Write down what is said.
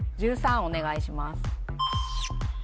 お願いします